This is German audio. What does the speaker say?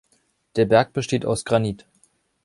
Der Berg besteht aus Granit.